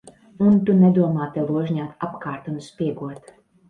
Un tu nedomā te ložņāt apkārt un spiegot.